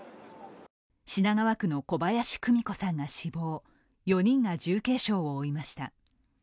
品川区の小林久美子さんが死亡、４人が重軽傷を負いました。